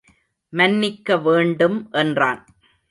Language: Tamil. மன்னிக்க வேண்டும் என்றான்.